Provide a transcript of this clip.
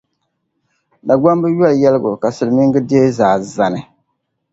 Dagbamba yoli yɛligu ka Silimiiŋa deei zaa zani.